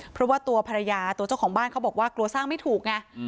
เพราะว่าตัวภรรยาตัวเจ้าของบ้านเขาบอกว่ากลัวสร้างไม่ถูกไง